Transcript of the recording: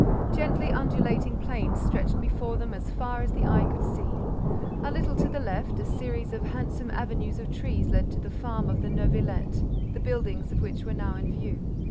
Gently undulating plains stretched before them as far as the eye could see. A little to the left, a series of handsome avenues of trees led to the farm of the Neuvillette, the buildings of which were now in view.